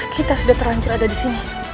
kita sudah terlanjur ada di sini